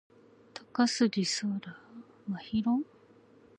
高杉真宙